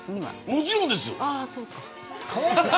もちろんです。